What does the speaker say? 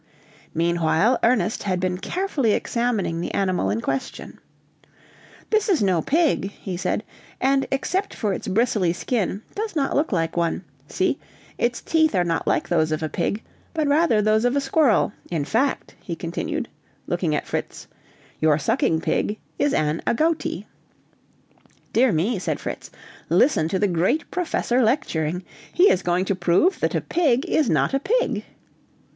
Meanwhile Ernest had been carefully examining the animal in question. "This is no pig," he said; "and except for its bristly skin, does not look like one. See, its teeth are not like those of a pig, but rather those of a squirrel. In fact," he continued, looking at Fritz, "your sucking pig is an agouti." "Dear me," said Fritz; "listen to the great professor lecturing! He is going to prove that a pig is not a pig!"